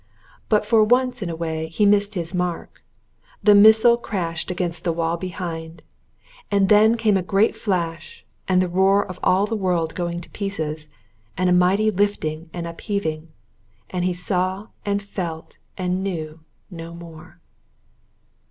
But for once in a way he missed his mark; the missile crashed against the wall behind. And then came a great flash, and the roar of all the world going to pieces, and a mighty lifting and upheaving and he saw and felt and knew no more.